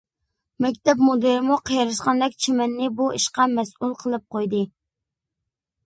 مەكتەپ مۇدىرىمۇ قېرىشقاندەك چىمەننى بۇ ئىشقا مەسئۇل قىلىپ قويدى.